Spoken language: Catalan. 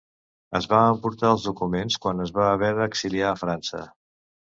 Es va emportar els documents quan es va haver d'exiliar a França.